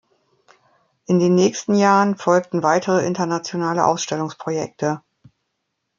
In den nächsten Jahren folgten weitere internationale Ausstellungs-Projekte.